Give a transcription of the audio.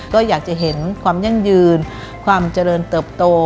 ก็อยากจะเห็นความยั่งยืนความเจริญเติบโต